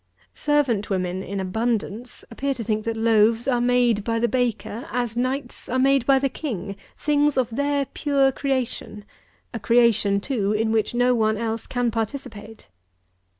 Servant women in abundance appear to think that loaves are made by the baker, as knights are made by the king; things of their pure creation, a creation, too, in which no one else can participate.